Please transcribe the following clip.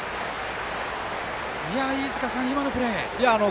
飯塚さん、今のプレーは？